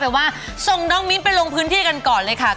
แต่ว่าส่งน้องมิ้นไปลงพื้นที่กันก่อนเลยค่ะ